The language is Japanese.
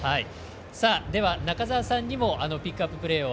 では、中澤さんにもピックアッププレーを